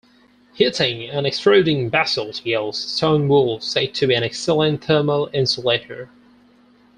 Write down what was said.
Heating and extruding basalt yields stone wool, said to be an excellent thermal insulator.